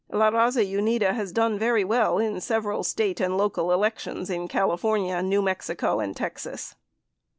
La Baza Unida has done very well in several state and local elections in California, New Mexico, and Texas.